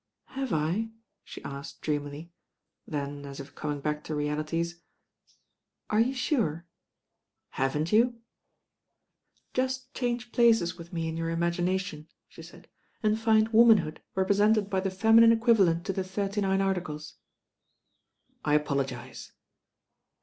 "Have I?" she asked dreamily; then as if coming back to realities, "Are you sure?" "Haven't you?" "Just change places with me in your imagina tion," she said, "and find womanhood represented by the feminine equivalent to the Thirty Nine Articles." "I apologise."